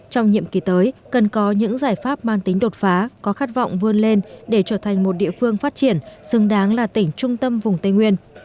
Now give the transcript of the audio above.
trong nhiệm kỳ tới cần có những giải pháp mang tính đột phá có khát vọng vươn lên để trở thành một địa phương phát triển xứng đáng là tỉnh trung tâm vùng tây nguyên